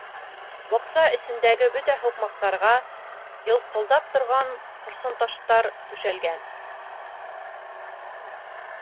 Баҡса эсендәге бөтә һуҡмаҡтарға йылҡылдап торған ҡырсынташтар түшәлгән.